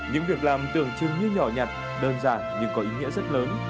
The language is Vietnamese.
những việc làm tưởng chừng như nhỏ nhặt đơn giản nhưng có ý nghĩa rất lớn